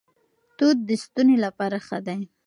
توت د ستوني لپاره ښه دي.